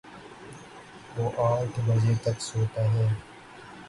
وہ آٹھ بجے تک سوتا ہے